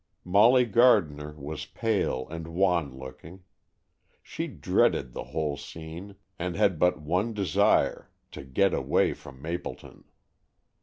Molly Gardner was pale and wan looking. She dreaded the whole scene, and had but one desire, to get away from Mapleton.